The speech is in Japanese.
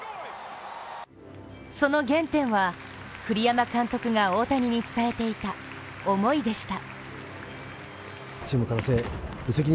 その原点は、栗山監督が大谷に伝えていた思いでした。